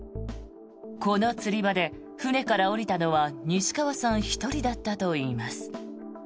この釣り場で船から下りたのは西川さん１人だったといいます。